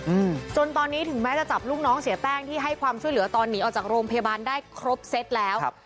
อืมจนตอนนี้ถึงแม้จะจับลูกน้องเสียแป้งที่ให้ความช่วยเหลือตอนหนีออกจากโรงพยาบาลได้ครบเซตแล้วครับ